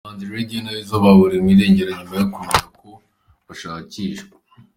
Abahanzi Radio na Weasel baburiwe irengero nyuma yo kumenya ko bashakishwa .